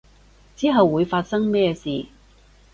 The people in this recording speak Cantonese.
之後會發生咩事